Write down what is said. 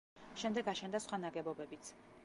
შემდეგ აშენდა სხვა ნაგებობებიც.